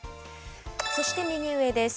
そして右上です。